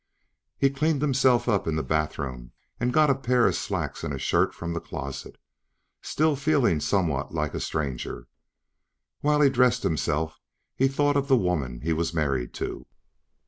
He cleaned himself up in the bathroom and got a pair of slacks and a shirt from the closet, still feeling somewhat like a stranger. While he dressed himself, he thought of the woman he was married to.